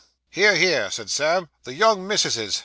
'Hear, hear!' said Sam. 'The young mississes.